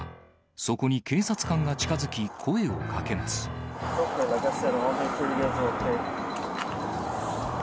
そこに警察官が近づき、声をかけます。